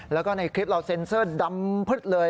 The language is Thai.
แล้วก็ในคลิปเราเซ็นเซอร์ดำพึดเลย